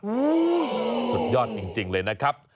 อู้ววววสุดยอดจริงเลยนะครับ